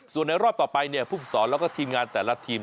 ส่วนในรอบต่อไปเนี่ยผู้ฝึกศรแล้วก็ทีมงานแต่ละทีม